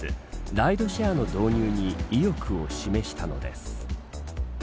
ライドシェアの導入に意欲を示したのです。